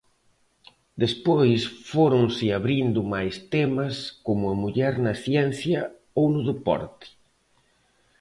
Despois fóronse abrindo máis temas, como a muller na ciencia ou no deporte.